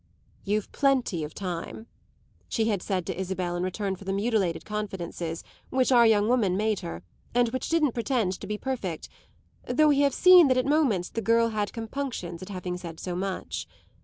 "You've plenty of time," she had said to Isabel in return for the mutilated confidences which our young woman made her and which didn't pretend to be perfect, though we have seen that at moments the girl had compunctions at having said so much.